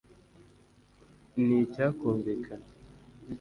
ni icyakumvikana